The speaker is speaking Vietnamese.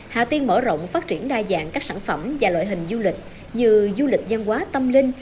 hà tiên mở rộng phát triển đa dạng các sản phẩm và loại hình du lịch như du lịch gian hóa tâm linh